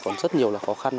còn rất nhiều là khó khăn